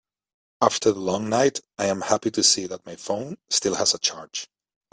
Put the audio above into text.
After the long night, I am happy to see that my phone still has a charge.